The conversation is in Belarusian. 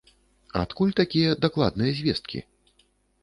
Адкуль такія дакладныя звесткі?